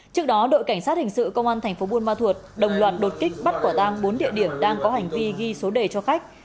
trước đó đội cảnh sát hình sự công an thành phố buôn ma thuột đồng loạt đột kích bắt quả tang bốn địa điểm đang có hành vi ghi số đề cho khách